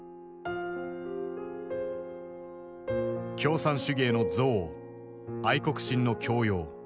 共産主義への憎悪愛国心の強要。